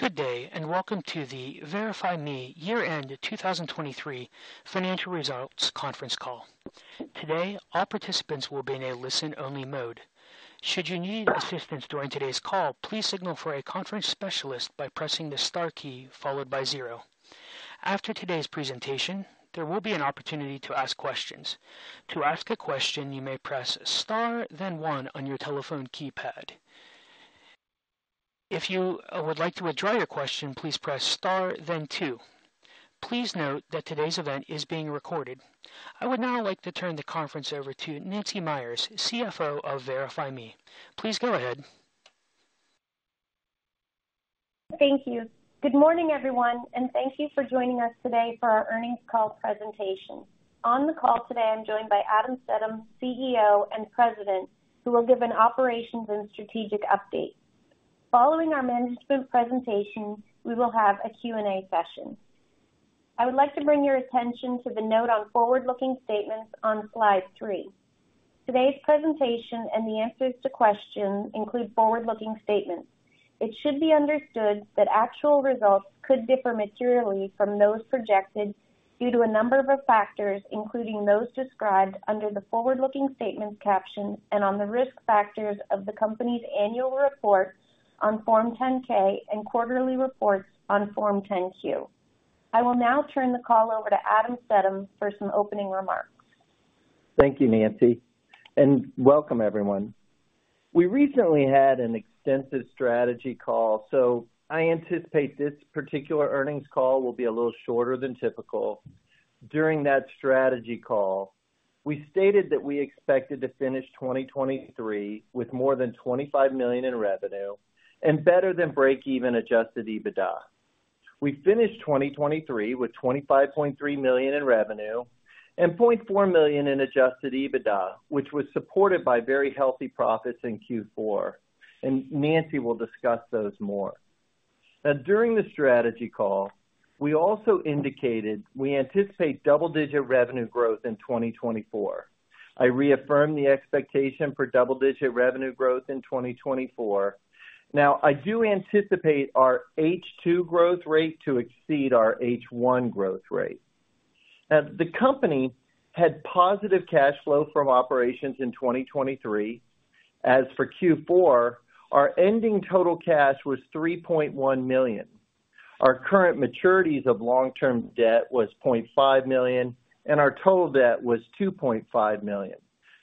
Good day and welcome to the VerifyMe Year-End 2023 Financial Results Conference call. Today all participants will be in a listen-only mode. Should you need assistance during today's call, please signal for a conference specialist by pressing the star key followed by 0. After today's presentation, there will be an opportunity to ask questions. To ask a question, you may press star then 1 on your telephone keypad. If you would like to withdraw your question, please press star then 2. Please note that today's event is being recorded. I would now like to turn the conference over to Nancy Meyers, CFO of VerifyMe. Please go ahead. Thank you. Good morning, everyone, and thank you for joining us today for our earnings call presentation. On the call today, I'm joined by Adam Stedham, CEO and President, who will give an operations and strategic update. Following our management presentation, we will have a Q&A session. I would like to bring your attention to the note on forward-looking statements on slide 3. Today's presentation and the answers to questions include forward-looking statements. It should be understood that actual results could differ materially from those projected due to a number of factors, including those described under the forward-looking statements caption and on the risk factors of the company's annual report on Form 10-K and quarterly reports on Form 10-Q. I will now turn the call over to Adam Stedham for some opening remarks. Thank you, Nancy, and welcome, everyone. We recently had an extensive strategy call, so I anticipate this particular earnings call will be a little shorter than typical. During that strategy call, we stated that we expected to finish 2023 with more than $25 million in revenue and better than break-even adjusted EBITDA. We finished 2023 with $25.3 million in revenue and $0.4 million in adjusted EBITDA, which was supported by very healthy profits in Q4, and Nancy will discuss those more. Now, during the strategy call, we also indicated we anticipate double-digit revenue growth in 2024. I reaffirmed the expectation for double-digit revenue growth in 2024. Now, I do anticipate our H2 growth rate to exceed our H1 growth rate. Now, the company had positive cash flow from operations in 2023. As for Q4, our ending total cash was $3.1 million. Our current maturities of long-term debt was $0.5 million, and our total debt was $2.5 million.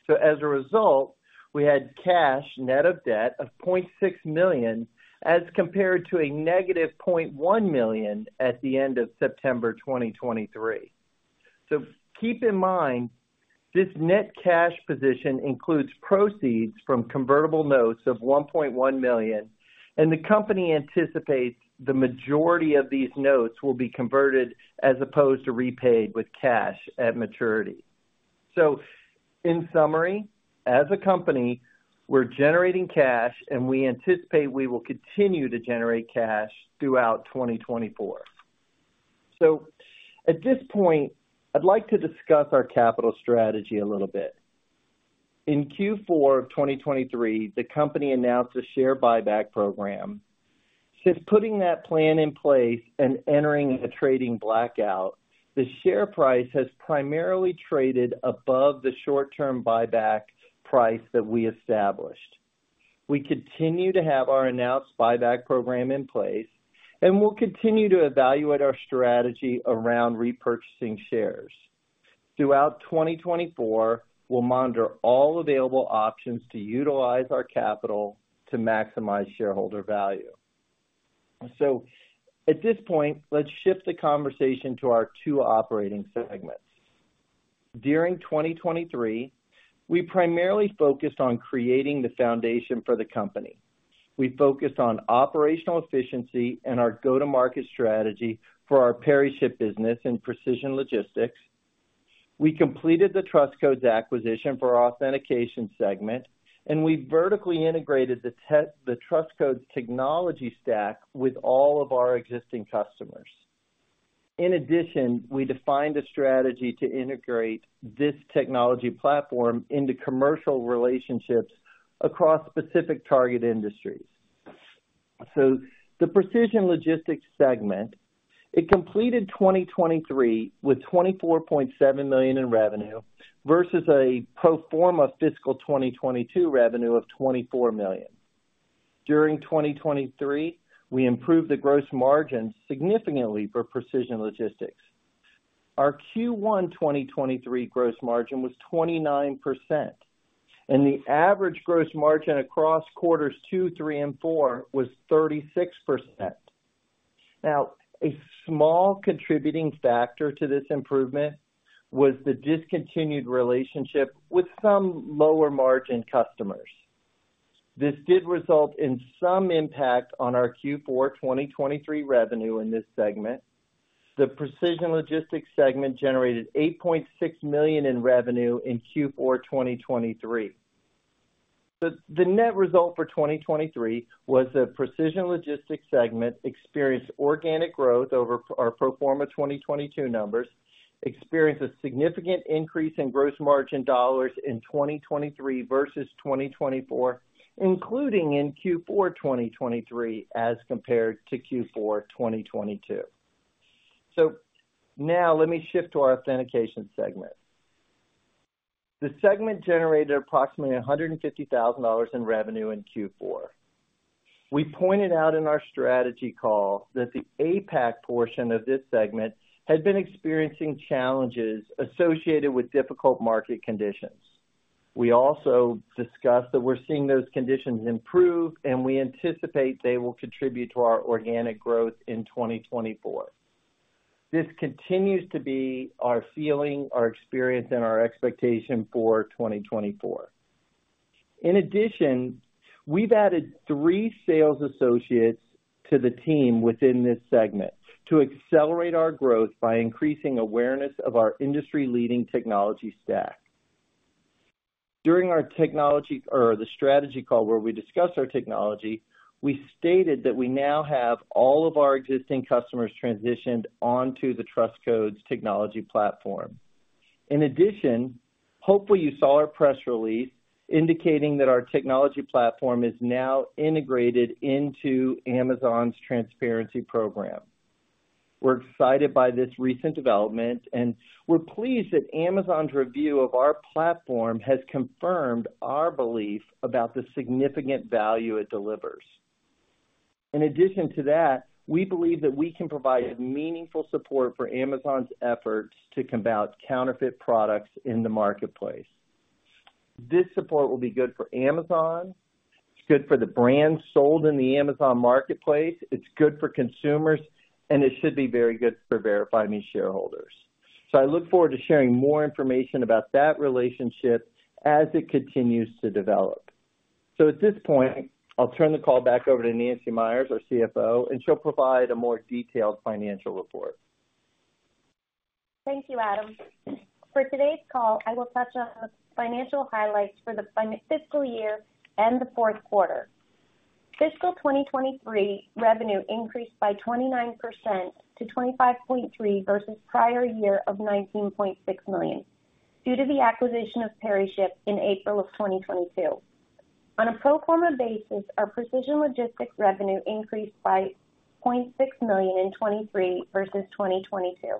So as a result, we had cash net of debt of $0.6 million as compared to a negative $0.1 million at the end of September 2023. So keep in mind this net cash position includes proceeds from convertible notes of $1.1 million, and the company anticipates the majority of these notes will be converted as opposed to repaid with cash at maturity. So in summary, as a company, we're generating cash, and we anticipate we will continue to generate cash throughout 2024. So at this point, I'd like to discuss our capital strategy a little bit. In Q4 of 2023, the company announced a share buyback program. Since putting that plan in place and entering a trading blackout, the share price has primarily traded above the short-term buyback price that we established. We continue to have our announced buyback program in place, and we'll continue to evaluate our strategy around repurchasing shares. Throughout 2024, we'll monitor all available options to utilize our capital to maximize shareholder value. So at this point, let's shift the conversation to our two operating segments. During 2023, we primarily focused on creating the foundation for the company. We focused on operational efficiency and our go-to-market strategy for our PeriShip business and Precision Logistics. We completed the Trust Codes acquisition for our Authentication segment, and we vertically integrated the Trust Codes technology stack with all of our existing customers. In addition, we defined a strategy to integrate this technology platform into commercial relationships across specific target industries. So the Precision Logistics segment, it completed 2023 with $24.7 million in revenue versus a pro forma fiscal 2022 revenue of $24 million. During 2023, we improved the gross margin significantly for Precision Logistics. Our Q1 2023 gross margin was 29%, and the average gross margin across quarters 2, 3, and 4 was 36%. Now, a small contributing factor to this improvement was the discontinued relationship with some lower-margin customers. This did result in some impact on our Q4 2023 revenue in this segment. The Precision Logistics segment generated $8.6 million in revenue in Q4 2023. So the net result for 2023 was the Precision Logistics segment experienced organic growth over our pro forma 2022 numbers, experienced a significant increase in gross margin dollars in 2023 versus 2024, including in Q4 2023 as compared to Q4 2022. So now let me shift to our Authentication segment. The segment generated approximately $150,000 in revenue in Q4. We pointed out in our strategy call that the APAC portion of this segment had been experiencing challenges associated with difficult market conditions. We also discussed that we're seeing those conditions improve, and we anticipate they will contribute to our organic growth in 2024. This continues to be our feeling, our experience, and our expectation for 2024. In addition, we've added three sales associates to the team within this segment to accelerate our growth by increasing awareness of our industry-leading technology stack. During our technology or the strategy call where we discussed our technology, we stated that we now have all of our existing customers transitioned onto the Trust Codes technology platform. In addition, hopefully, you saw our press release indicating that our technology platform is now integrated into Amazon's Transparency program. We're excited by this recent development, and we're pleased that Amazon's review of our platform has confirmed our belief about the significant value it delivers. In addition to that, we believe that we can provide meaningful support for Amazon's efforts to combat counterfeit products in the marketplace. This support will be good for Amazon. It's good for the brands sold in the Amazon marketplace. It's good for consumers, and it should be very good for VerifyMe shareholders. So I look forward to sharing more information about that relationship as it continues to develop. So at this point, I'll turn the call back over to Nancy Meyers, our CFO, and she'll provide a more detailed financial report. Thank you, Adam. For today's call, I will touch on the financial highlights for the fiscal year and the fourth quarter. Fiscal 2023 revenue increased by 29% to $25.3 million versus prior year of $19.6 million due to the acquisition of PeriShip in April of 2022. On a pro forma basis, our Precision Logistics revenue increased by $0.6 million in 2023 versus 2022.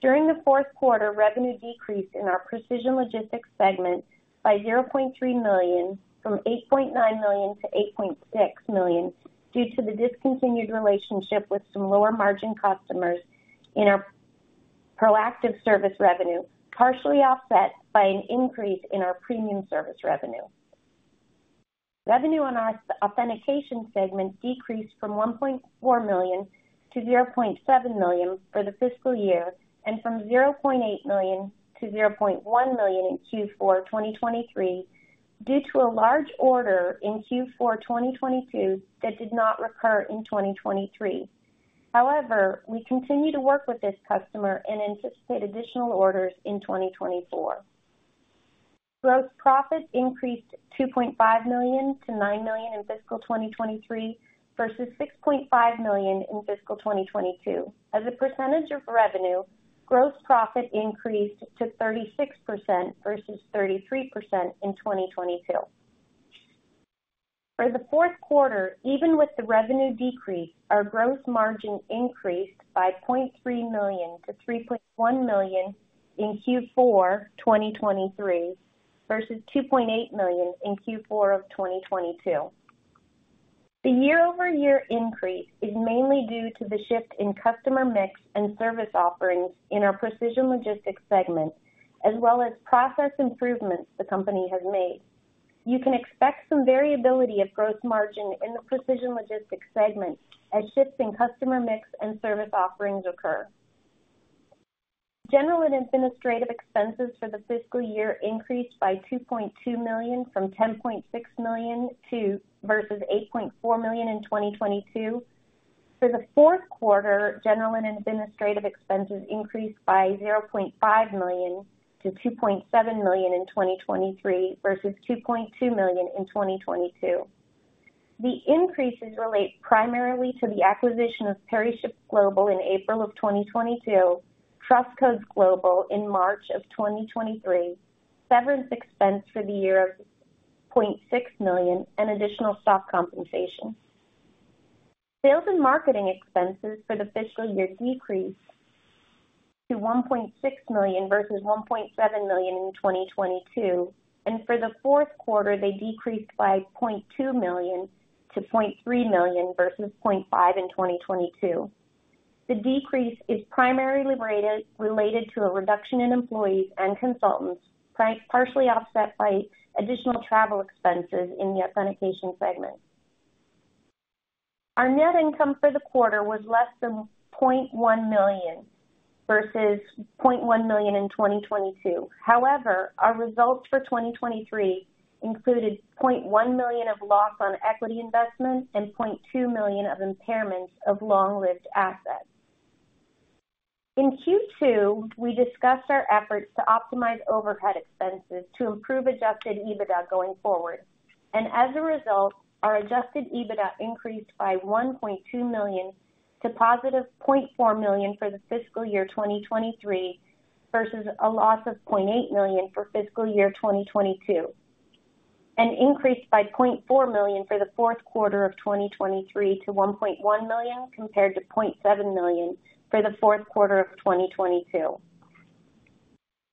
During the fourth quarter, revenue decreased in our Precision Logistics segment by $0.3 million from $8.9 million to $8.6 million due to the discontinued relationship with some lower-margin customers in our proactive service revenue, partially offset by an increase in our premium service revenue. Revenue on our authentication segment decreased from $1.4 million to $0.7 million for the fiscal year and from $0.8 million to $0.1 million in Q4 2023 due to a large order in Q4 2022 that did not recur in 2023. However, we continue to work with this customer and anticipate additional orders in 2024. Gross profit increased $2.5 million to $9 million in fiscal 2023 versus $6.5 million in fiscal 2022. As a percentage of revenue, gross profit increased to 36% versus 33% in 2022. For the fourth quarter, even with the revenue decrease, our gross margin increased by $0.3 million to $3.1 million in Q4 2023 versus $2.8 million in Q4 of 2022. The year-over-year increase is mainly due to the shift in customer mix and service offerings in our Precision Logistics segment, as well as process improvements the company has made. You can expect some variability of gross margin in the Precision Logistics segment as shifts in customer mix and service offerings occur. General and administrative expenses for the fiscal year increased by $2.2 million from $10.6 million versus $8.4 million in 2022. For the fourth quarter, general and administrative expenses increased by $0.5 million to $2.7 million in 2023 versus $2.2 million in 2022. The increases relate primarily to the acquisition of PeriShip Global in April of 2022, Trust Codes Global in March of 2023, severance expense for the year of $0.6 million, and additional stock compensation. Sales and marketing expenses for the fiscal year decreased to $1.6 million versus $1.7 million in 2022, and for the fourth quarter, they decreased by $0.2 million to $0.3 million versus $0.5 million in 2022. The decrease is primarily related to a reduction in employees and consultants, partially offset by additional travel expenses in the authentication segment. Our net income for the quarter was less than $0.1 million versus $0.1 million in 2022. However, our results for 2023 included $0.1 million of loss on equity investment and $0.2 million of impairments of long-lived assets. In Q2, we discussed our efforts to optimize overhead expenses to improve Adjusted EBITDA going forward, and as a result, our Adjusted EBITDA increased by $1.2 million to positive $0.4 million for the fiscal year 2023 versus a loss of $0.8 million for fiscal year 2022, and increased by $0.4 million for the fourth quarter of 2023 to $1.1 million compared to $0.7 million for the fourth quarter of 2022.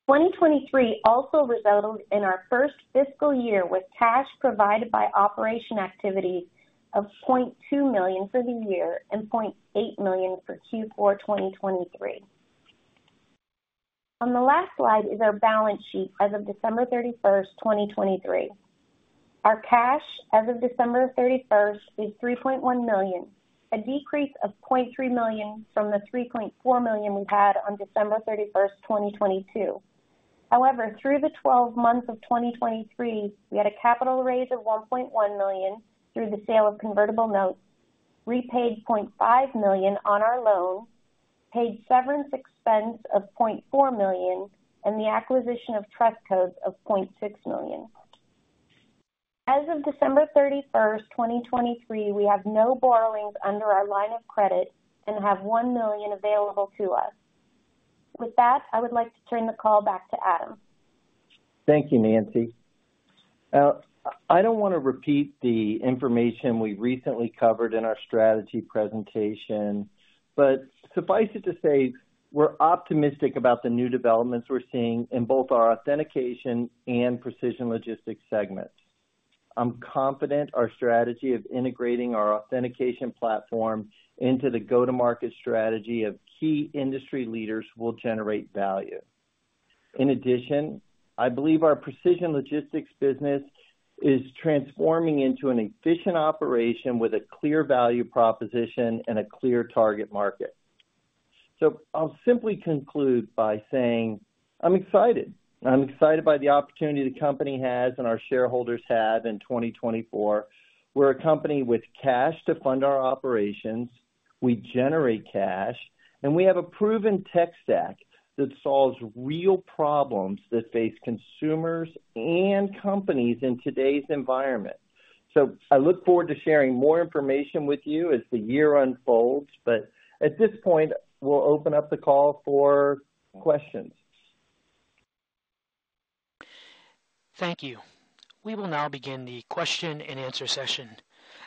2023 also resulted in our first fiscal year with cash provided by operating activities of $0.2 million for the year and $0.8 million for Q4 2023. On the last slide is our balance sheet as of December 31st, 2023. Our cash as of December 31st is $3.1 million, a decrease of $0.3 million from the $3.4 million we had on December 31st, 2022. However, through the 12 months of 2023, we had a capital raise of $1.1 million through the sale of convertible notes, repaid $0.5 million on our loan, paid severance expense of $0.4 million, and the acquisition of Trust Codes of $0.6 million. As of December 31st, 2023, we have no borrowings under our line of credit and have $1 million available to us. With that, I would like to turn the call back to Adam. Thank you, Nancy. I don't want to repeat the information we recently covered in our strategy presentation, but suffice it to say we're optimistic about the new developments we're seeing in both our authentication and Precision Logistics segments. I'm confident our strategy of integrating our authentication platform into the go-to-market strategy of key industry leaders will generate value. In addition, I believe our Precision Logistics business is transforming into an efficient operation with a clear value proposition and a clear target market. So I'll simply conclude by saying I'm excited. I'm excited by the opportunity the company has and our shareholders have in 2024. We're a company with cash to fund our operations. We generate cash, and we have a proven tech stack that solves real problems that face consumers and companies in today's environment. I look forward to sharing more information with you as the year unfolds, but at this point, we'll open up the call for questions. Thank you. We will now begin the question and answer session.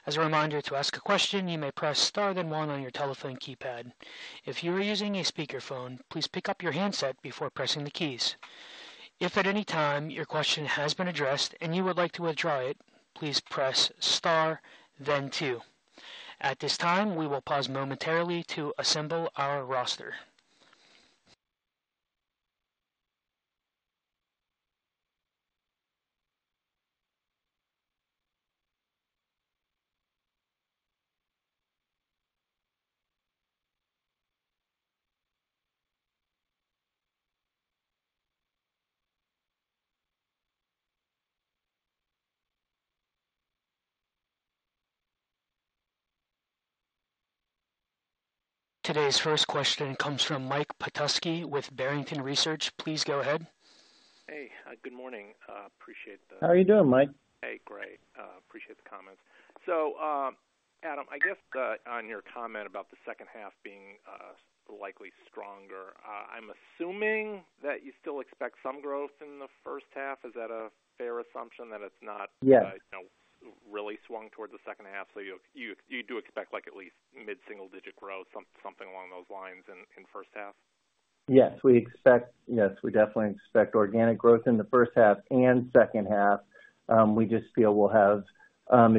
As a reminder, to ask a question, you may press star then one on your telephone keypad. If you are using a speakerphone, please pick up your handset before pressing the keys. If at any time your question has been addressed and you would like to withdraw it, please press star, then two. At this time, we will pause momentarily to assemble our roster. Today's first question comes from Mike Petusky with Barrington Research. Please go ahead. Hey. Good morning. Appreciate the. How are you doing, Mike? Hey. Great. Appreciate the comments. So Adam, I guess on your comment about the second half being likely stronger, I'm assuming that you still expect some growth in the first half. Is that a fair assumption, that it's not really swung towards the second half? So you do expect at least mid-single-digit growth, something along those lines in first half? Yes. Yes. We definitely expect organic growth in the first half and second half. We just feel we'll have our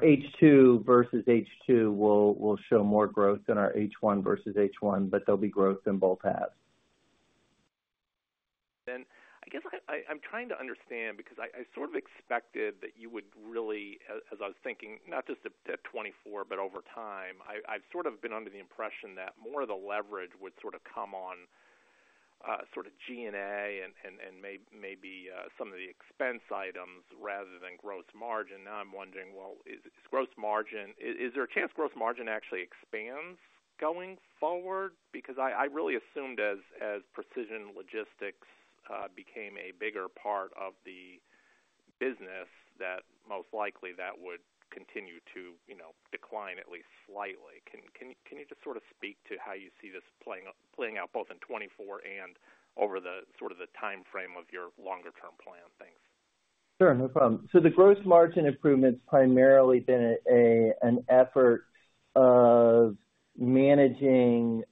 H2 versus H1 will show more growth than our H1 versus H2, but there'll be growth in both halves. I guess I'm trying to understand because I sort of expected that you would really, as I was thinking, not just at 2024, but over time, I've sort of been under the impression that more of the leverage would sort of come on sort of G&A and maybe some of the expense items rather than gross margin. Now I'm wondering, well, is there a chance gross margin actually expands going forward? Because I really assumed as Precision Logistics became a bigger part of the business that most likely that would continue to decline at least slightly. Can you just sort of speak to how you see this playing out both in 2024 and over sort of the timeframe of your longer-term plan? Thanks. Sure. No problem. So the gross margin improvement's primarily been an effort of managing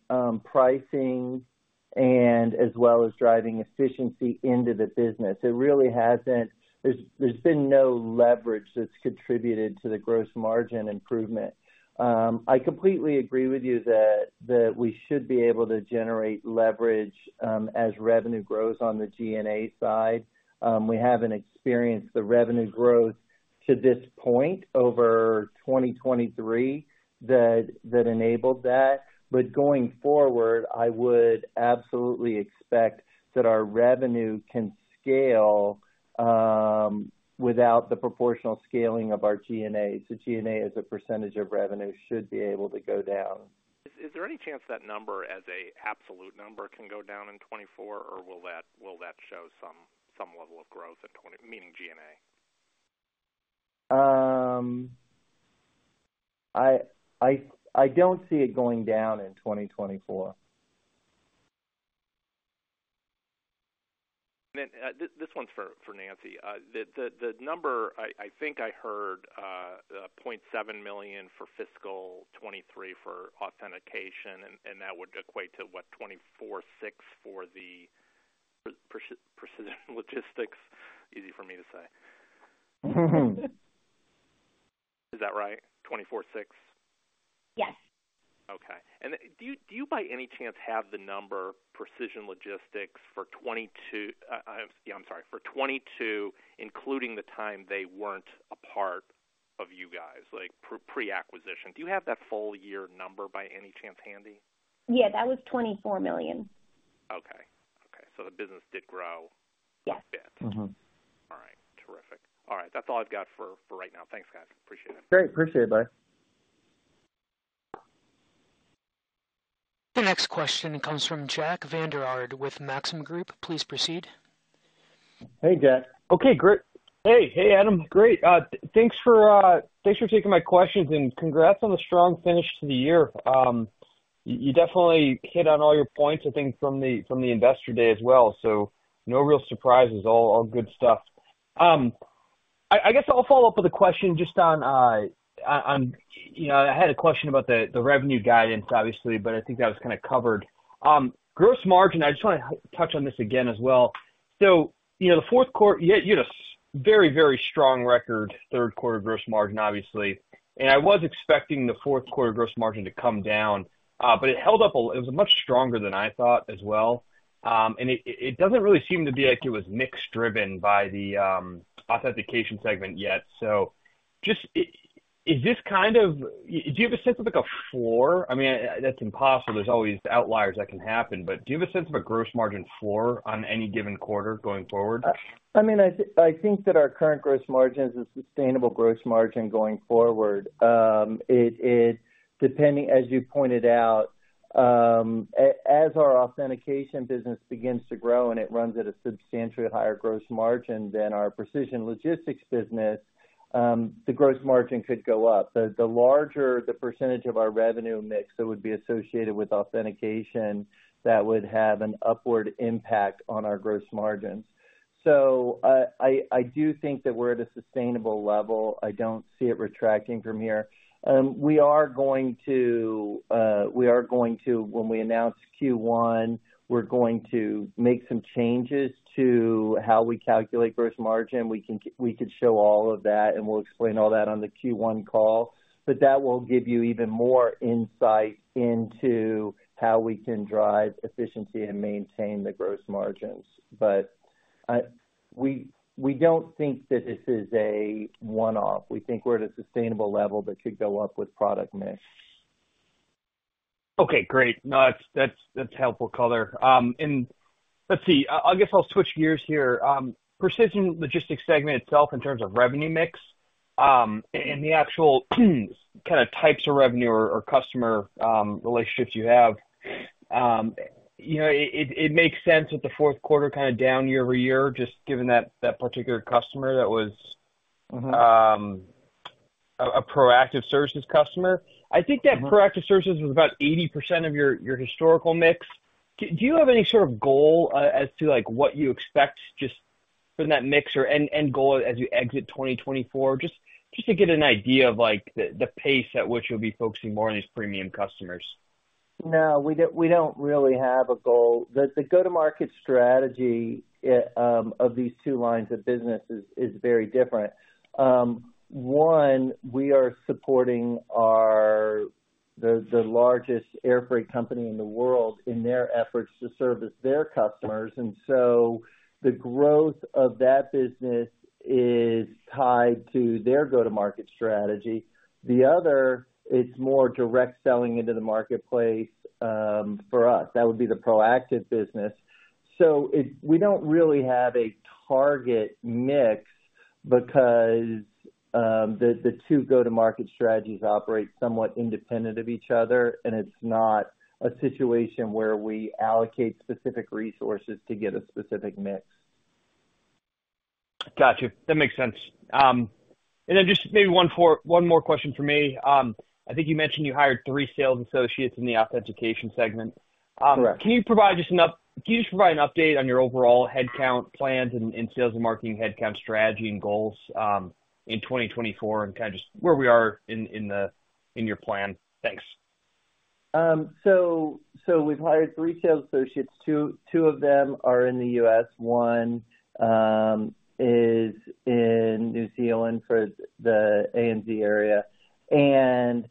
pricing as well as driving efficiency into the business. There's been no leverage that's contributed to the gross margin improvement. I completely agree with you that we should be able to generate leverage as revenue grows on the G&A side. We haven't experienced the revenue growth to this point over 2023 that enabled that. But going forward, I would absolutely expect that our revenue can scale without the proportional scaling of our G&A. So G&A as a percentage of revenue should be able to go down. Is there any chance that number as an absolute number can go down in 2024, or will that show some level of growth in 2020, meaning G&A? I don't see it going down in 2024. And then this one's for Nancy. The number I think I heard $0.7 million for fiscal 2023 for Authentication, and that would equate to, what, $24.6 million for the Precision Logistics? Easy for me to say. Is that right? $24.6 million? Yes. Okay. And do you by any chance have the number for Precision Logistics for 2022? Yeah, I'm sorry, for 2022 including the time they weren't a part of you guys, pre-acquisition? Do you have that full year number by any chance handy? Yeah. That was $24 million. Okay. Okay. So the business did grow a bit? Yes. All right. Terrific. All right. That's all I've got for right now. Thanks, guys. Appreciate it. Great. Appreciate it, buddy. The next question comes from Jack Vander Aarde with Maxim Group. Please proceed. Hey, Jack. Okay. Great. Hey. Hey, Adam. Great. Thanks for taking my questions, and congrats on the strong finish to the year. You definitely hit on all your points, I think, from the investor day as well. So no real surprises. All good stuff. I guess I'll follow up with a question. Just on. I had a question about the revenue guidance, obviously, but I think that was kind of covered. Gross margin, I just want to touch on this again as well. So the fourth quarter, you had a very, very strong record third quarter gross margin, obviously. And I was expecting the fourth quarter gross margin to come down, but it held up. It was much stronger than I thought as well. And it doesn't really seem to be like it was mix-driven by the authentication segment yet. So is this kind of—do you have a sense of a floor? I mean, that's impossible. There's always outliers that can happen, but do you have a sense of a gross margin floor on any given quarter going forward? I mean, I think that our current gross margin is a sustainable gross margin going forward. Depending, as you pointed out, as our authentication business begins to grow and it runs at a substantially higher gross margin than our Precision Logistics business, the gross margin could go up. The larger the percentage of our revenue mix that would be associated with authentication, that would have an upward impact on our gross margins. So I do think that we're at a sustainable level. I don't see it retracting from here. We are going to, when we announce Q1, we're going to make some changes to how we calculate gross margin. We could show all of that, and we'll explain all that on the Q1 call. But that will give you even more insight into how we can drive efficiency and maintain the gross margins. We don't think that this is a one-off. We think we're at a sustainable level that could go up with product mix. Okay. Great. No, that's helpful color. And let's see. I guess I'll switch gears here. Precision Logistics segment itself in terms of revenue mix and the actual kind of types of revenue or customer relationships you have, it makes sense with the fourth quarter kind of down year-over-year just given that particular customer that was a proactive services customer. I think that proactive services was about 80% of your historical mix. Do you have any sort of goal as to what you expect just from that mix or end goal as you exit 2024, just to get an idea of the pace at which you'll be focusing more on these premium customers? No. We don't really have a goal. The go-to-market strategy of these two lines of business is very different. One, we are supporting the largest air freight company in the world in their efforts to service their customers. And so the growth of that business is tied to their go-to-market strategy. The other, it's more direct selling into the marketplace for us. That would be the proactive business. So we don't really have a target mix because the two go-to-market strategies operate somewhat independent of each other, and it's not a situation where we allocate specific resources to get a specific mix. Gotcha. That makes sense. And then just maybe one more question from me. I think you mentioned you hired three sales associates in the Authentication segment. Can you just provide an update on your overall headcount plans and sales and marketing headcount strategy and goals in 2024 and kind of just where we are in your plan? Thanks. So we've hired three sales associates. Two of them are in the U.S. One is in New Zealand for the ANZ area. And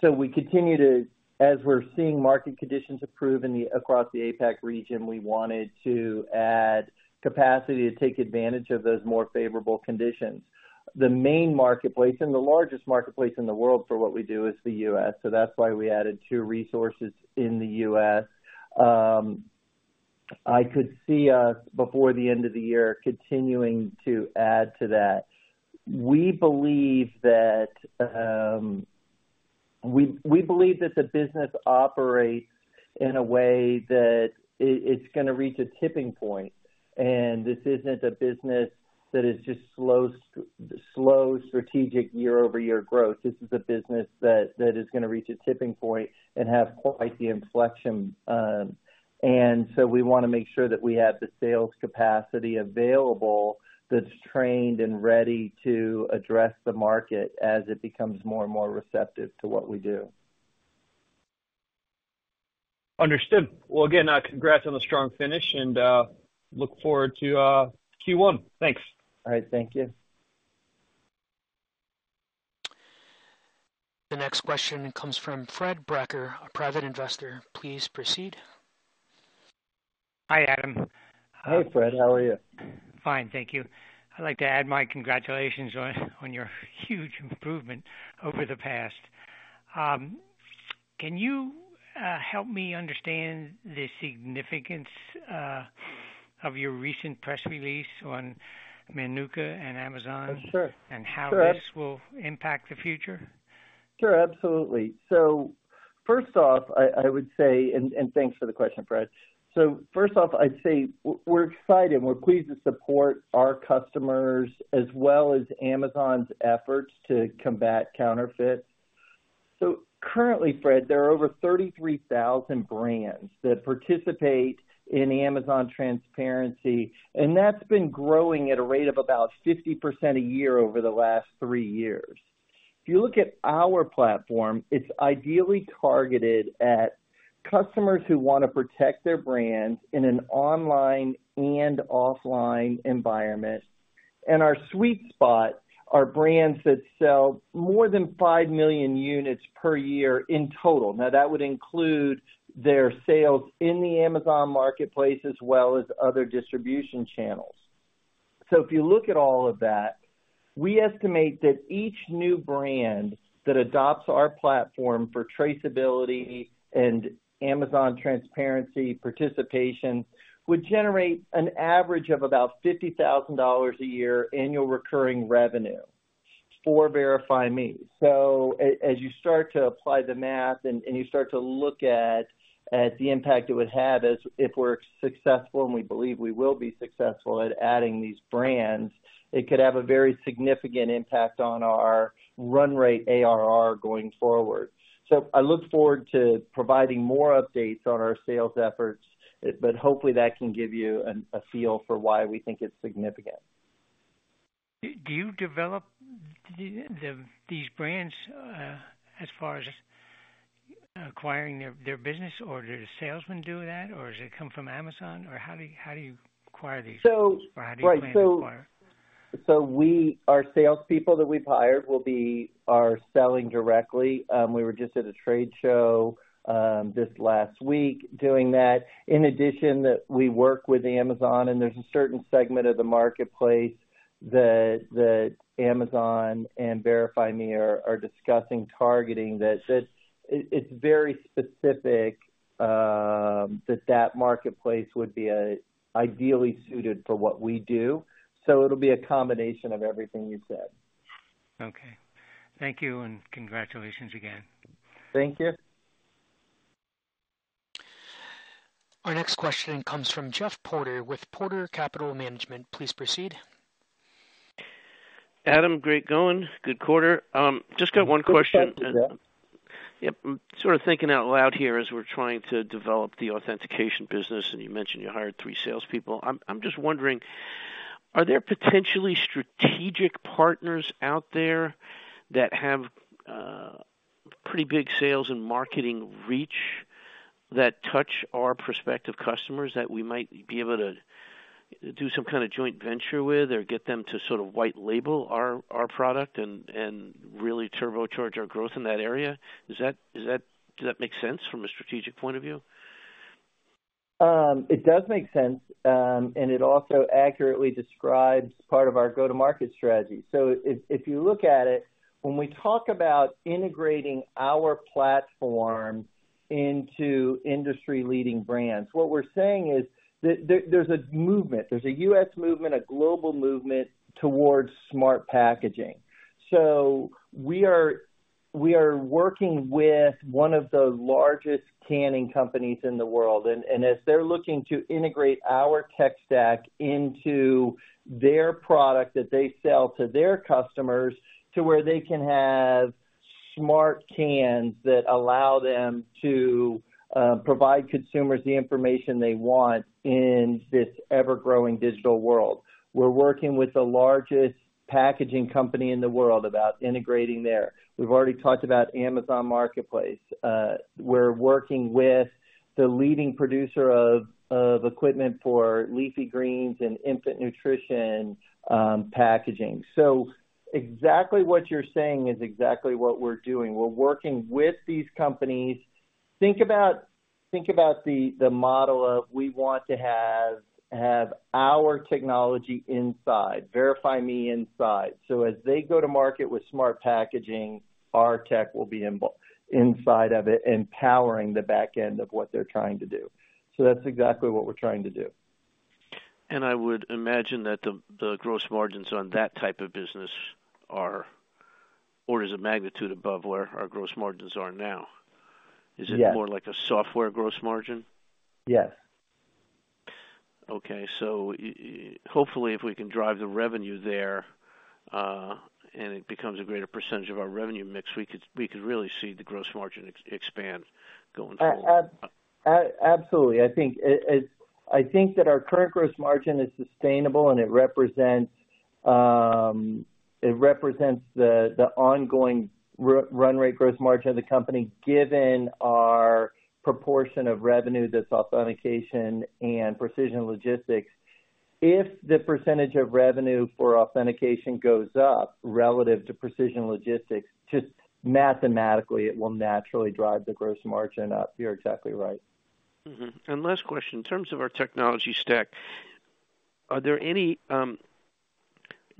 so we continue to, as we're seeing market conditions improve across the APAC region, we wanted to add capacity to take advantage of those more favorable conditions. The main marketplace and the largest marketplace in the world for what we do is the U.S. So that's why we added two resources in the U.S. I could see us before the end of the year continuing to add to that. We believe that we believe that the business operates in a way that it's going to reach a tipping point, and this isn't a business that is just slow, strategic year-over-year growth. This is a business that is going to reach a tipping point and have quite the inflection. And so we want to make sure that we have the sales capacity available that's trained and ready to address the market as it becomes more and more receptive to what we do. Understood. Well, again, congrats on the strong finish, and look forward to Q1. Thanks. All right. Thank you. The next question comes from Fred Brecher, a private investor. Please proceed. Hi, Adam. Hey, Fred. How are you? Fine. Thank you. I'd like to add my congratulations on your huge improvement over the past. Can you help me understand the significance of your recent press release on Manuka and Amazon and how this will impact the future? Sure. Absolutely. So first off, I would say and thanks for the question, Fred. So first off, I'd say we're excited. We're pleased to support our customers as well as Amazon's efforts to combat counterfeits. So currently, Fred, there are over 33,000 brands that participate in Amazon Transparency, and that's been growing at a rate of about 50% a year over the last 3 years. If you look at our platform, it's ideally targeted at customers who want to protect their brands in an online and offline environment. And our sweet spot are brands that sell more than 5 million units per year in total. Now, that would include their sales in the Amazon marketplace as well as other distribution channels. So if you look at all of that, we estimate that each new brand that adopts our platform for traceability and Amazon Transparency participation would generate an average of about $50,000 a year annual recurring revenue for VerifyMe. So as you start to apply the math and you start to look at the impact it would have if we're successful, and we believe we will be successful at adding these brands, it could have a very significant impact on our run rate ARR going forward. So I look forward to providing more updates on our sales efforts, but hopefully, that can give you a feel for why we think it's significant. Do you develop these brands as far as acquiring their business, or do the salesmen do that, or does it come from Amazon? Or how do you acquire these brands, or how do you plan to acquire? So our salespeople that we've hired will be our selling directly. We were just at a trade show this last week doing that. In addition, we work with Amazon, and there's a certain segment of the marketplace that Amazon and VerifyMe are discussing targeting that it's very specific that that marketplace would be ideally suited for what we do. So it'll be a combination of everything you said. Okay. Thank you, and congratulations again. Thank you. Our next question comes from Jeff Porter with Porter Capital Management. Please proceed. Adam, great going. Good quarter. Just got one question. Yep. I'm sort of thinking out loud here as we're trying to develop the authentication business, and you mentioned you hired three salespeople. I'm just wondering, are there potentially strategic partners out there that have pretty big sales and marketing reach that touch our prospective customers that we might be able to do some kind of joint venture with or get them to sort of white label our product and really turbocharge our growth in that area? Does that make sense from a strategic point of view? It does make sense, and it also accurately describes part of our go-to-market strategy. So if you look at it, when we talk about integrating our platform into industry-leading brands, what we're saying is there's a movement. There's a U.S. movement, a global movement towards smart packaging. So we are working with one of the largest canning companies in the world, and as they're looking to integrate our tech stack into their product that they sell to their customers to where they can have smart cans that allow them to provide consumers the information they want in this ever-growing digital world, we're working with the largest packaging company in the world about integrating there. We've already talked about Amazon Marketplace. We're working with the leading producer of equipment for leafy greens and infant nutrition packaging. So exactly what you're saying is exactly what we're doing. We're working with these companies. Think about the model of we want to have our technology inside, VerifyMe inside. So as they go to market with smart packaging, our tech will be inside of it empowering the backend of what they're trying to do. So that's exactly what we're trying to do. I would imagine that the gross margins on that type of business are or is a magnitude above where our gross margins are now. Is it more like a software gross margin? Yes. Okay. So hopefully, if we can drive the revenue there and it becomes a greater percentage of our revenue mix, we could really see the gross margin expand going forward. Absolutely. I think that our current gross margin is sustainable, and it represents the ongoing run rate gross margin of the company given our proportion of revenue that's Authentication and Precision Logistics. If the percentage of revenue for Authentication goes up relative to Precision Logistics, just mathematically, it will naturally drive the gross margin up. You're exactly right. Last question. In terms of our technology stack, are there any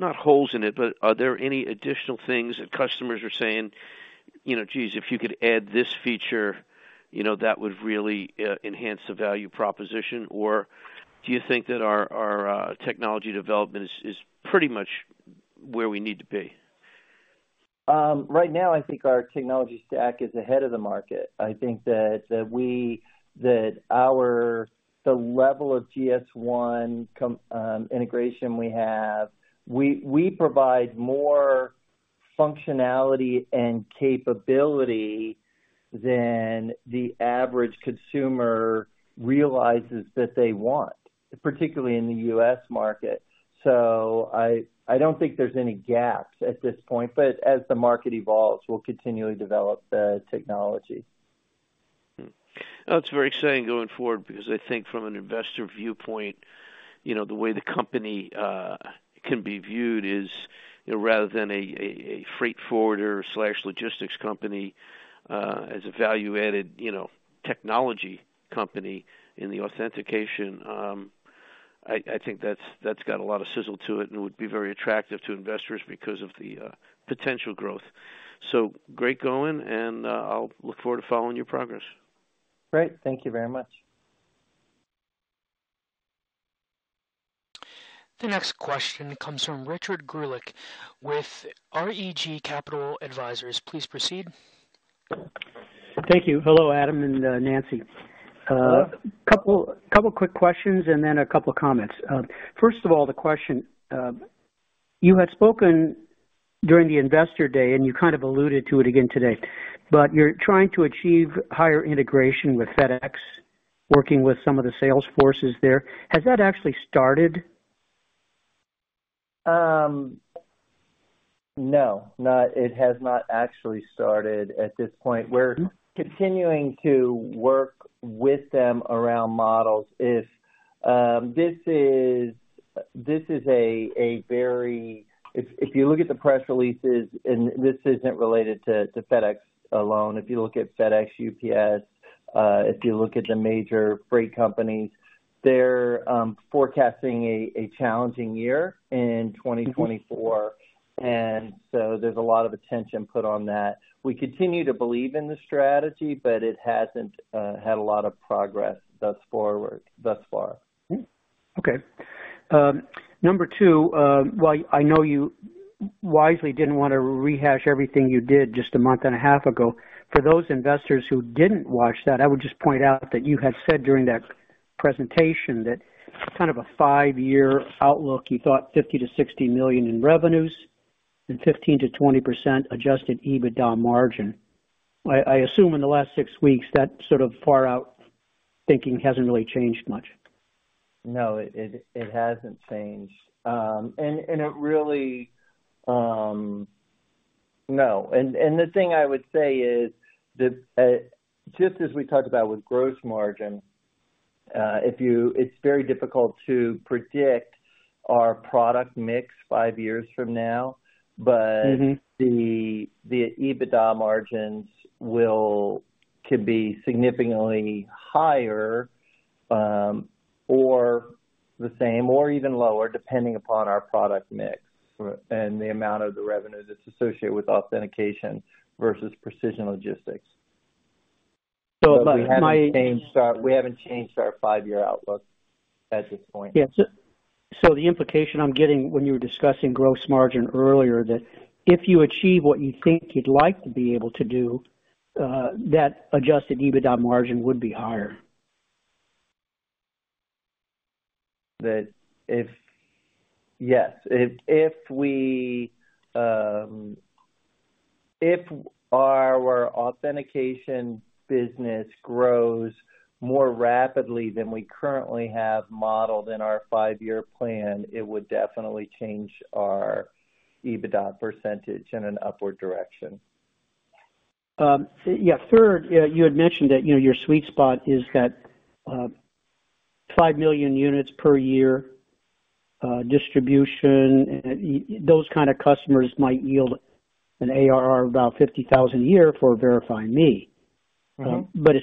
not holes in it, but are there any additional things that customers are saying, "Geez, if you could add this feature, that would really enhance the value proposition"? Or do you think that our technology development is pretty much where we need to be? Right now, I think our technology stack is ahead of the market. I think that our level of GS1 integration we have, we provide more functionality and capability than the average consumer realizes that they want, particularly in the US market. I don't think there's any gaps at this point, but as the market evolves, we'll continually develop the technology. That's very exciting going forward because I think from an investor viewpoint, the way the company can be viewed is rather than a freight forwarder/logistics company as a value-added technology company in the authentication. I think that's got a lot of sizzle to it and would be very attractive to investors because of the potential growth. So great going, and I'll look forward to following your progress. Great. Thank you very much. The next question comes from Richard Greulich with REG Capital Advisors. Please proceed. Thank you. Hello, Adam and Nancy. A couple of quick questions and then a couple of comments. First of all, the question, you had spoken during the investor day, and you kind of alluded to it again today, but you're trying to achieve higher integration with FedEx, working with some of the sales forces there. Has that actually started? No, it has not actually started at this point. We're continuing to work with them around models. This is a very if you look at the press releases, and this isn't related to FedEx alone. If you look at FedEx, UPS, if you look at the major freight companies, they're forecasting a challenging year in 2024, and so there's a lot of attention put on that. We continue to believe in the strategy, but it hasn't had a lot of progress thus far. Okay. Number 2, while I know you wisely didn't want to rehash everything you did just a month and a half ago, for those investors who didn't watch that, I would just point out that you had said during that presentation that kind of a 5-year outlook, you thought $50 million-$60 million in revenues and 15%-20% Adjusted EBITDA margin. I assume in the last 6 weeks, that sort of far-out thinking hasn't really changed much. No, it hasn't changed. The thing I would say is just as we talked about with gross margin, it's very difficult to predict our product mix five years from now, but the EBITDA margins can be significantly higher or the same or even lower depending upon our product mix and the amount of the revenue that's associated with Authentication versus Precision Logistics. But we haven't changed our five-year outlook at this point. Yeah. So the implication I'm getting when you were discussing gross margin earlier, that if you achieve what you think you'd like to be able to do, that Adjusted EBITDA margin would be higher. Yes. If our authentication business grows more rapidly than we currently have modeled in our five-year plan, it would definitely change our EBITDA percentage in an upward direction. Yeah. Third, you had mentioned that your sweet spot is that 5 million units per year distribution, those kind of customers might yield an ARR of about $50,000 a year for VerifyMe. But as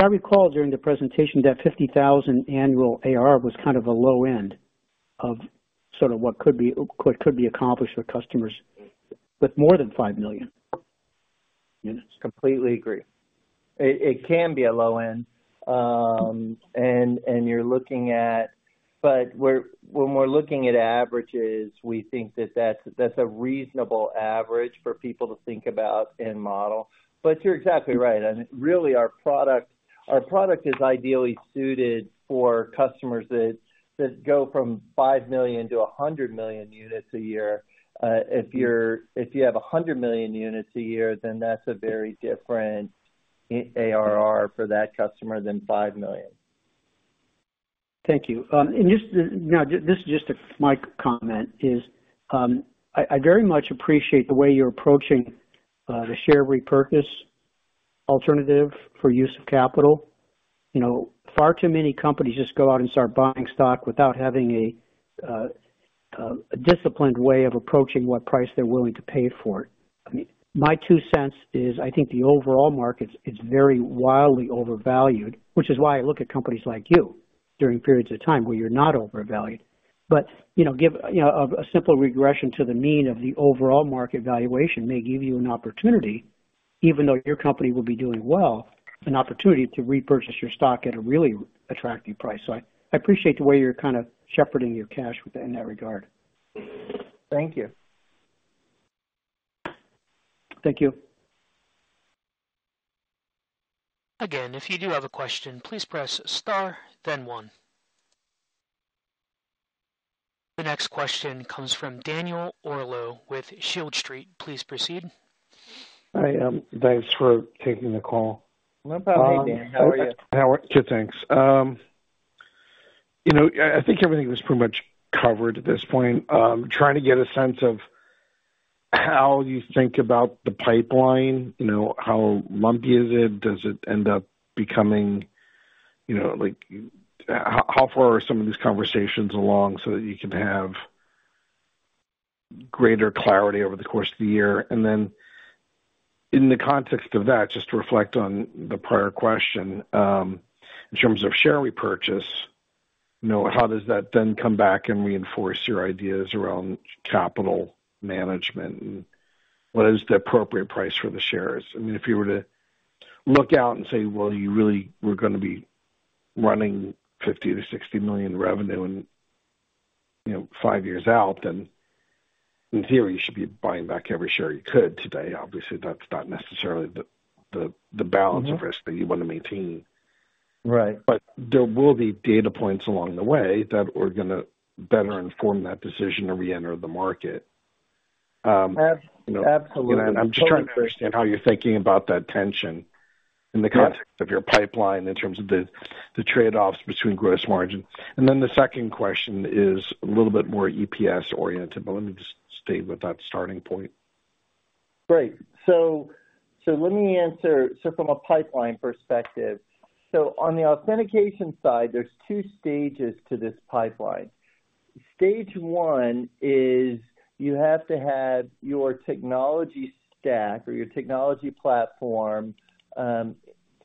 I recall during the presentation, that $50,000 annual ARR was kind of a low end of sort of what could be accomplished with customers with more than 5 million units. Completely agree. It can be a low end, and you're looking at, but when we're looking at averages, we think that that's a reasonable average for people to think about and model. But you're exactly right. Really, our product is ideally suited for customers that go from 5 million-100 million units a year. If you have 100 million units a year, then that's a very different ARR for that customer than 5 million. Thank you. And now, this is just my comment is I very much appreciate the way you're approaching the share repurchase alternative for use of capital. Far too many companies just go out and start buying stock without having a disciplined way of approaching what price they're willing to pay for it. I mean, my two cents is I think the overall market, it's very wildly overvalued, which is why I look at companies like you during periods of time where you're not overvalued. But give a simple regression to the mean of the overall market valuation may give you an opportunity, even though your company will be doing well, an opportunity to repurchase your stock at a really attractive price. So I appreciate the way you're kind of shepherding your cash in that regard. Thank you. Thank you. Again, if you do have a question, please press star, then one. The next question comes from Daniel Orlow with Shield Street. Please proceed. Hi, Adam. Thanks for taking the call. Well, how are you, Dan? How are you? How are you? Good, thanks. I think everything was pretty much covered at this point. Trying to get a sense of how you think about the pipeline, how lumpy is it? Does it end up becoming how far are some of these conversations along so that you can have greater clarity over the course of the year? And then in the context of that, just to reflect on the prior question, in terms of share repurchase, how does that then come back and reinforce your ideas around capital management and what is the appropriate price for the shares? I mean, if you were to look out and say, "Well, you really were going to be running $50 million-$60 million revenue five years out," then in theory, you should be buying back every share you could today. Obviously, that's not necessarily the balance of risk that you want to maintain. But there will be data points along the way that are going to better inform that decision to reenter the market. And I'm just trying to understand how you're thinking about that tension in the context of your pipeline in terms of the trade-offs between gross margin. And then the second question is a little bit more EPS-oriented, but let me just stay with that starting point. Great. So let me answer so from a pipeline perspective, so on the authentication side, there's two stages to this pipeline. Stage one is you have to have your technology stack or your technology platform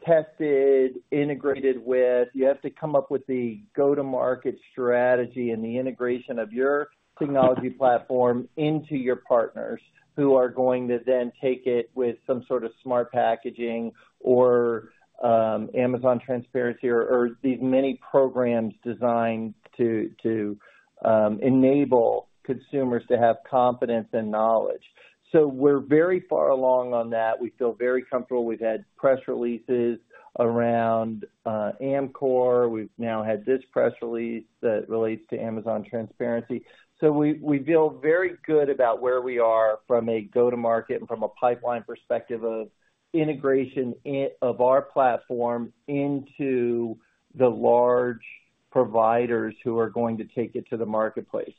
tested, integrated with. You have to come up with the go-to-market strategy and the integration of your technology platform into your partners who are going to then take it with some sort of smart packaging or Amazon Transparency or these many programs designed to enable consumers to have confidence and knowledge. So we're very far along on that. We feel very comfortable. We've had press releases around Amcor. We've now had this press release that relates to Amazon Transparency. So we feel very good about where we are from a go-to-market and from a pipeline perspective of integration of our platform into the large providers who are going to take it to the marketplace.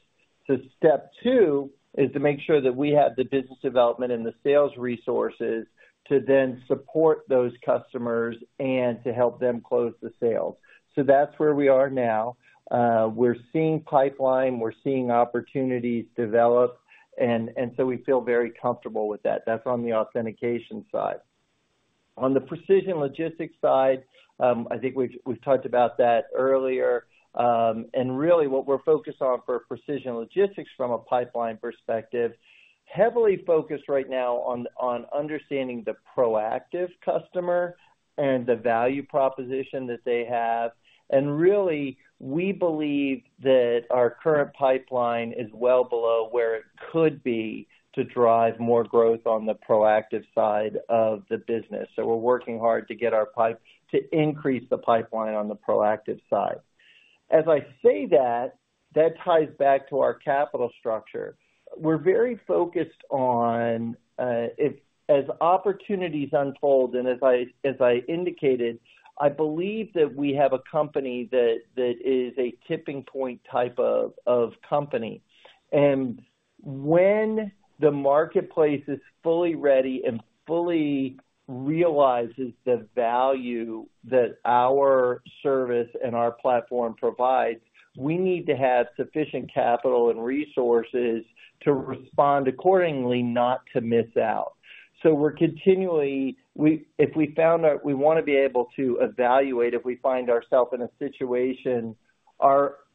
So step two is to make sure that we have the business development and the sales resources to then support those customers and to help them close the sales. So that's where we are now. We're seeing pipeline. We're seeing opportunities develop. And so we feel very comfortable with that. That's on the Authentication side. On the Precision Logistics side, I think we've talked about that earlier. And really, what we're focused on for Precision Logistics from a pipeline perspective, heavily focused right now on understanding the proactive customer and the value proposition that they have. And really, we believe that our current pipeline is well below where it could be to drive more growth on the proactive side of the business. So we're working hard to get our to increase the pipeline on the proactive side. As I say that, that ties back to our capital structure. We're very focused on as opportunities unfold and as I indicated, I believe that we have a company that is a tipping point type of company. When the marketplace is fully ready and fully realizes the value that our service and our platform provides, we need to have sufficient capital and resources to respond accordingly, not to miss out. So we're continually if we found out we want to be able to evaluate if we find ourselves in a situation,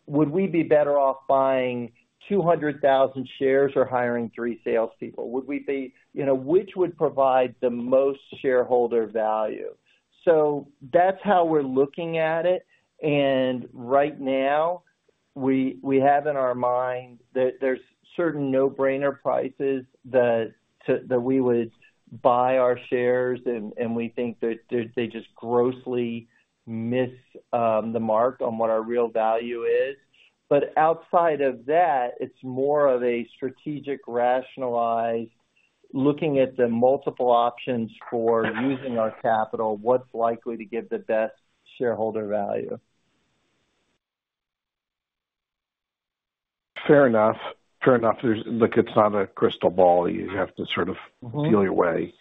would we be better off buying 200,000 shares or hiring three salespeople? Would we be which would provide the most shareholder value? So that's how we're looking at it. Right now, we have in our mind that there's certain no-brainer prices that we would buy our shares, and we think that they just grossly miss the mark on what our real value is. Outside of that, it's more of a strategic, rationalized, looking at the multiple options for using our capital, what's likely to give the best shareholder value. Fair enough. Fair enough. Look, it's not a crystal ball. You have to sort of feel your way.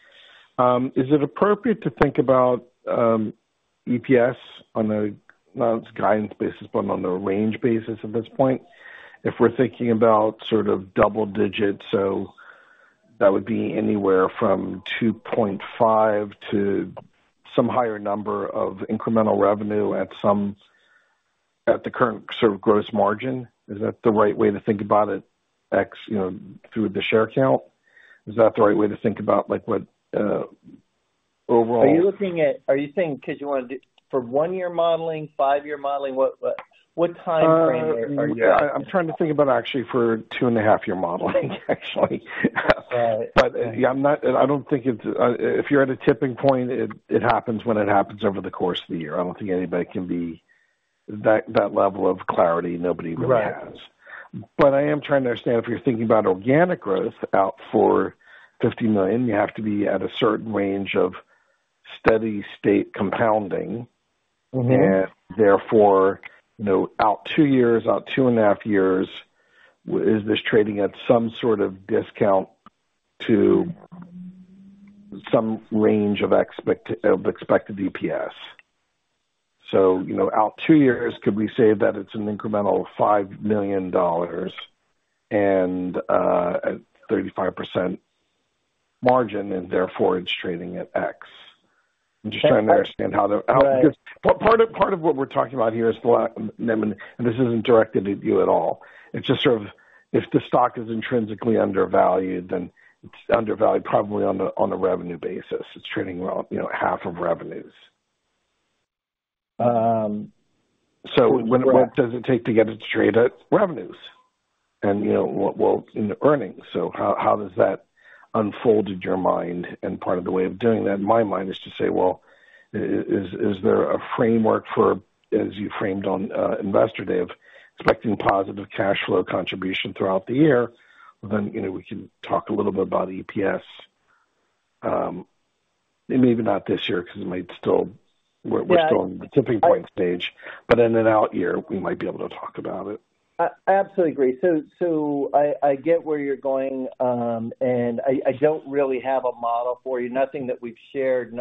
Is it appropriate to think about EPS on a not as guidance basis, but on a range basis at this point? If we're thinking about sort of double-digit, so that would be anywhere from $2.5 to some higher number of incremental revenue at the current sort of gross margin. Is that the right way to think about it through the share count? Is that the right way to think about what overall? Are you looking at, are you saying because you want to do for one-year modeling, five-year modeling, what time frame are you talking about? Yeah. I'm trying to think about actually for 2.5-year modeling, actually. But yeah, I don't think it's if you're at a tipping point, it happens when it happens over the course of the year. I don't think anybody can be that level of clarity. Nobody really has. But I am trying to understand if you're thinking about organic growth out for $50 million, you have to be at a certain range of steady-state compounding. And therefore, out 2 years, out 2.5 years, is this trading at some sort of discount to some range of expected EPS? So out 2 years, could we say that it's an incremental $5 million and a 35% margin, and therefore, it's trading at X? I'm just trying to understand how the outlook because part of what we're talking about here is, and this isn't directed at you at all. It's just sort of if the stock is intrinsically undervalued, then it's undervalued probably on a revenue basis. It's trading half of revenues. So what does it take to get it to trade at revenues? And well, in earnings. So how does that unfold in your mind and part of the way of doing that? In my mind, it's to say, "Well, is there a framework for," as you framed on Investor Day, "expecting positive cash flow contribution throughout the year?" Well, then we can talk a little bit about EPS. Maybe not this year because we're still in the tipping point stage. But in an out year, we might be able to talk about it. I absolutely agree. So I get where you're going, and I don't really have a model for you, nothing that we've shared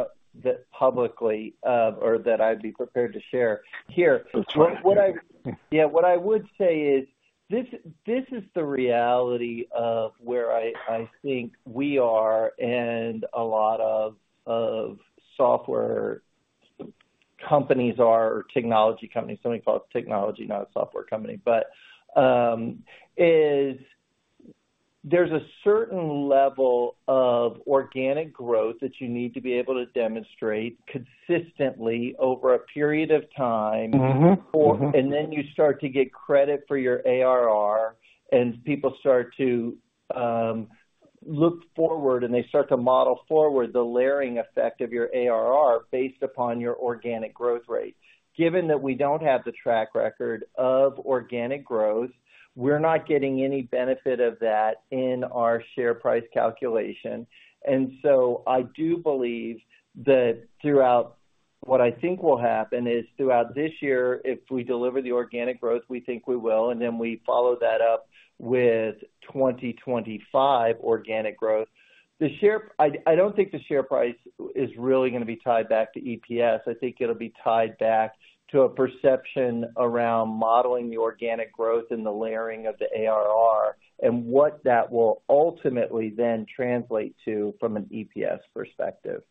publicly or that I'd be prepared to share here. Yeah, what I would say is this is the reality of where I think we are and a lot of software companies are or technology companies. Somebody calls it technology, not a software company. But there's a certain level of organic growth that you need to be able to demonstrate consistently over a period of time. And then you start to get credit for your ARR, and people start to look forward, and they start to model forward the layering effect of your ARR based upon your organic growth rate. Given that we don't have the track record of organic growth, we're not getting any benefit of that in our share price calculation. So I do believe that throughout what I think will happen is throughout this year, if we deliver the organic growth, we think we will. And then we follow that up with 2025 organic growth. I don't think the share price is really going to be tied back to EPS. I think it'll be tied back to a perception around modeling the organic growth and the layering of the ARR and what that will ultimately then translate to from an EPS perspective.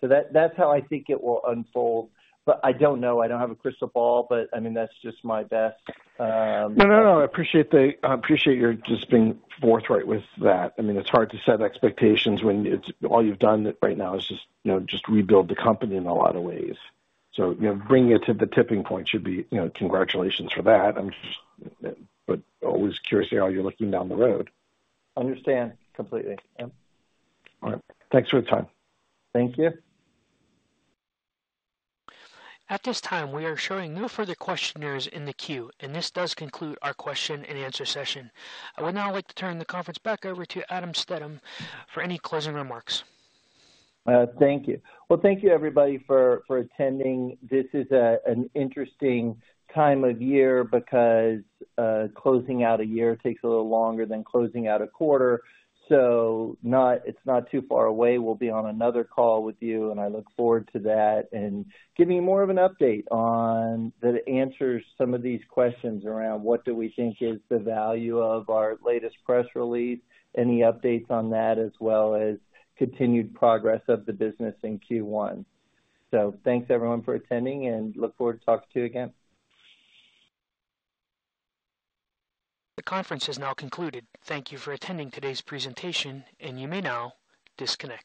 So that's how I think it will unfold. But I don't know. I don't have a crystal ball, but I mean, that's just my best. No, no, no. I appreciate your just being forthright with that. I mean, it's hard to set expectations when all you've done right now is just rebuild the company in a lot of ways. So bringing it to the tipping point should be congratulations for that. But always curious how you're looking down the road. Understand completely. All right. Thanks for the time. Thank you. At this time, we are showing no further questionnaires in the queue, and this does conclude our question-and-answer session. I would now like to turn the conference back over to Adam Stedham for any closing remarks. Thank you. Well, thank you, everybody, for attending. This is an interesting time of year because closing out a year takes a little longer than closing out a quarter. So it's not too far away. We'll be on another call with you, and I look forward to that and giving you more of an update on that answers some of these questions around what do we think is the value of our latest press release, any updates on that, as well as continued progress of the business in Q1. So thanks, everyone, for attending, and look forward to talking to you again. The conference has now concluded. Thank you for attending today's presentation, and you may now disconnect.